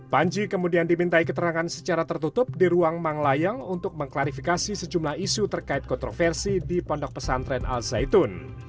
panji kemudian dimintai keterangan secara tertutup di ruang manglayang untuk mengklarifikasi sejumlah isu terkait kontroversi di pondok pesantren al zaitun